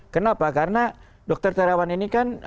kenapa karena dokter terawan ini kan